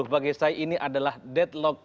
bagi saya ini adalah deadlock